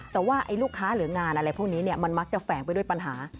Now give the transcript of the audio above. แต่ว่าลูกค้าหรืองานอะไรพวกนี้มันมักจะแฝงไปด้วยปัญหา